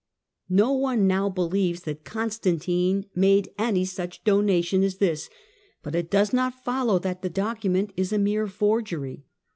No one now believes that Constantine made any nch donation as this, but it does not follow that the ocument is a mere forgery.